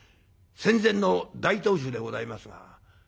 戦前の大投手でございますが。